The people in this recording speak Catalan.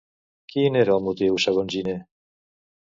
Quin era el motiu, segons Giner?